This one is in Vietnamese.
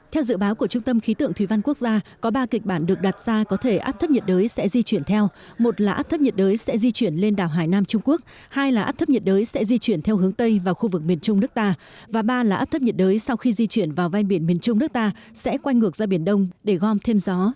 theo dự báo của trung tâm khí tượng thủy văn quốc gia có ba kịch bản được đặt ra có thể áp thấp nhiệt đới sẽ di chuyển theo một là áp thấp nhiệt đới sẽ di chuyển lên đảo hải nam trung quốc hai là áp thấp nhiệt đới sẽ di chuyển theo hướng tây vào khu vực miền trung nước ta và ba là áp thấp nhiệt đới sau khi di chuyển vào ven biển miền trung nước ta sẽ quanh ngược ra biển đông để gom thêm gió